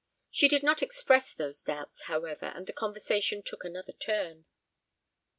She did not express those doubts, however, and the conversation took another turn.